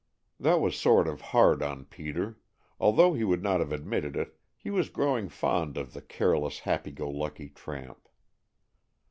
That was sort of hard on Peter, although he would not have admitted it, he was growing fond of the careless, happy go lucky tramp.